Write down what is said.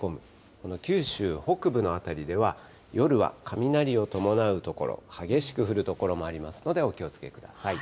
この九州北部の辺りでは、夜は雷を伴う所、激しく降る所もありますので、お気をつけください。